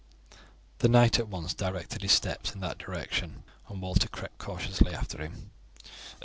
The knight at once directed his steps in that direction, and Walter crept cautiously after him.